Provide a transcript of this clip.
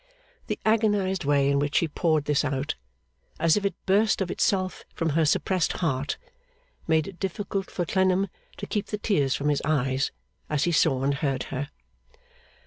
The agonised way in which she poured this out, as if it burst of itself from her suppressed heart, made it difficult for Clennam to keep the tears from his eyes as he saw and heard her.